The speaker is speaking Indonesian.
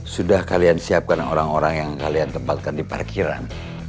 sudah kalian siapkan orang orang yang kalian tempatkan di parkiran